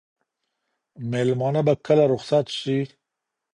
مېلمانه به کله رخصت شي؟